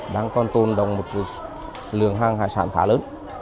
đang còn tồn động một lượng hàng hải sản khá lớn